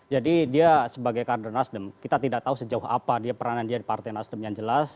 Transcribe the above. jadi dia sebagai kader nasdem kita tidak tahu sejauh apa dia peranan dia di partai nasdem yang jelas